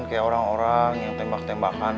kayak orang orang yang tembak tembakan